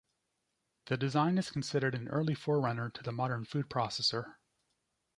The design is considered an early forerunner to the modern food processor.